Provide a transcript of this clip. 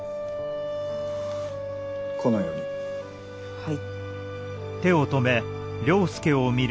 はい。